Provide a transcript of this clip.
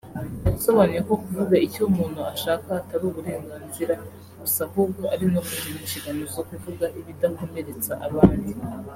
yasobanuye ko kuvuga icyo umuntu ashaka atari uburenganzira gusa ahubwo ari no kugira inshingano zo kuvuga ibidakomeretsa abandi